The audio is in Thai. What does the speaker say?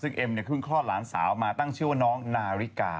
ซึ่งเอ็มเนี่ยเพิ่งคลอดหลานสาวมาตั้งชื่อว่าน้องนาฬิกา